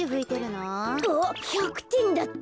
あっ１００てんだった。